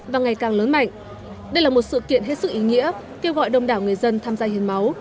và ngày càng lớn mạnh đây là một sự kiện hết sức ý nghĩa kêu gọi đông đảo người dân tham gia hiến máu